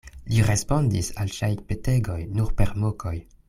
Li respondis al ŝiaj petegoj nur per mokoj.